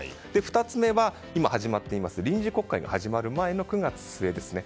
２つ目は、今始まっています臨時国会が始まる前の９月末ですね。